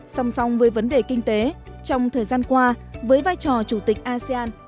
song song với vấn đề kinh tế trong thời gian qua với vai trò chủ tịch asean